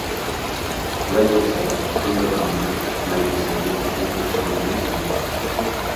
Qolaversa, kunda-kunora majlislarga taklif etishini aytmaysizmi!..